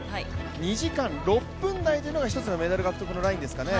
２時間６分台というのが一つのメダル獲得ラインですかね。